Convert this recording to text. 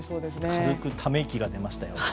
軽くため息が出ましたよ。